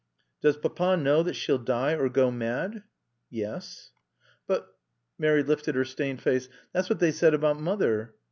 "Does Papa know that she'll die or go mad?" "Yes." "But" Mary lifted her stained face "that's what they said about Mother."